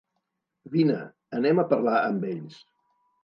Vine, anem a parlar amb ells.